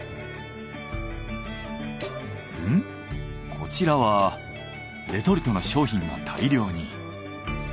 こちらはレトルトの商品が大量に。